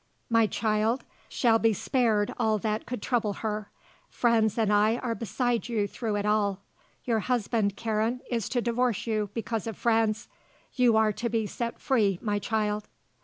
My child shall be spared all that could trouble her. Franz and I are beside you through it all. Your husband, Karen, is to divorce you because of Franz. You are to be set free, my child."